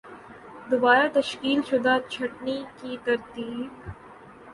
دوبارہ تشکیل شدہ چھٹنی کی ترتیب